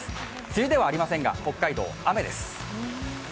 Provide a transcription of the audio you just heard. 梅雨ではありませんが北海道、雨です。